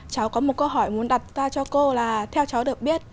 cháu có một câu hỏi muốn đặt ra cho cô là theo cháu được biết